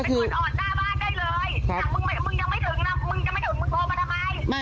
สั่งมึงยังไม่ถึงนะมึงจะไม่ถึงมึงโทรมาทำไม